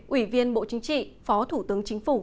ủy viên bộ chính trị phó thủ tướng chính phủ